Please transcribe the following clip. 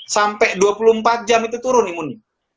sampai dua puluh empat jam itu turun imunnya